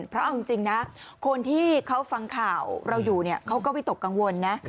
เพราะเอาจริงนะคนที่เขาฟังข่าวเราอยู่เขาก็วิตกกังวลนะ